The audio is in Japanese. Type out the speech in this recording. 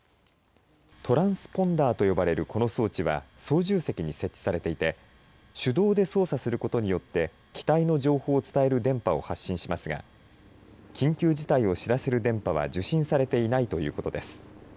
トランスポンダーと呼ばれるこの装置は操縦席に設置されていて手動で操作することによって機体の情報を伝える電波を発信しますが緊急事態を知らせる電波は受信されていないということです。